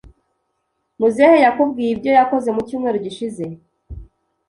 Muzehe yakubwiye ibyo yakoze mu cyumweru gishize?